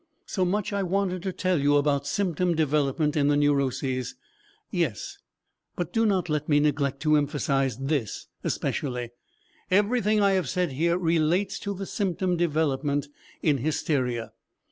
So much I wanted to tell you about symptom development in the neuroses. Yes, but do not let me neglect to emphasize this especially: everything I have said here relates to the symptom development in hysteria.